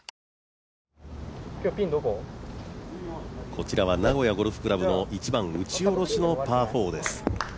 こちらは名古屋ゴルフ倶楽部の１番、打ち下ろしのパー４です。